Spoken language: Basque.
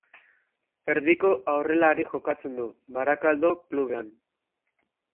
Erdiko aurrelari jokatzen du, Barakaldo klubean.